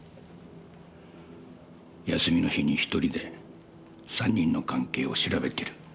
休みの日に１人で３人の関係を調べてる。